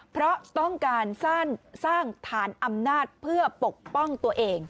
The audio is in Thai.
เพราะต้องการสร้างฐานอำนาจเพื่อปกป้องตัวเอง